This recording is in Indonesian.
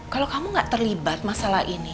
kalau kamu gak terlibat masalah ini